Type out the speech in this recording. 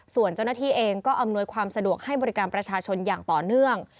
ส่วนเจ้าหน้าที่เองก็อำนวยความสะดวกให้บริการประชาชนอย่างต่อเนื่อง